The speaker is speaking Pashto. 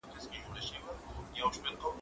دا سپينکۍ له هغه پاکه ده،